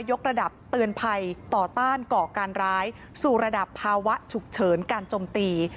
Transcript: กระดับเตือนภัยต่อต้านก่อการร้ายสู่ระดับภาวะฉุกเฉินการจมตี